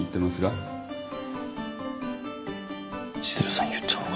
千鶴さん言っちゃうのか。